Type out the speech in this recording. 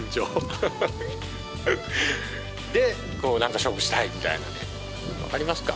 ハハハでこう何か勝負したいみたいなね分かりますか？